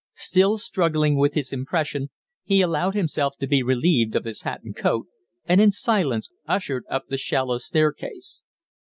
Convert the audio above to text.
Still struggling with his impression, he allowed himself to be relieved of his hat and coat and in silence ushered up the shallow staircase.